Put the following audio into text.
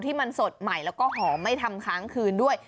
ที่มันสดใหม่แล้วก็หอมไม่ทำค้างคืนด้วย